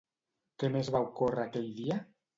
Què més va ocórrer aquell dia?